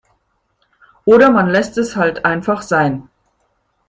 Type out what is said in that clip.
Oder man lässt es halt einfach sein.